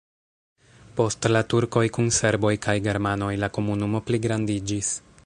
Post la turkoj kun serboj kaj germanoj la komunumo pligrandiĝis.